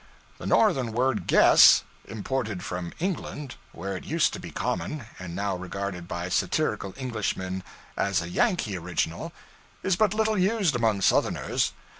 The Northern word 'guess' imported from England, where it used to be common, and now regarded by satirical Englishmen as a Yankee original is but little used among Southerners.